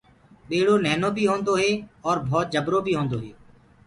ٻيڙو ننهنو بي هوندو هي اور ڀوت جبرو بي هوندو هي۔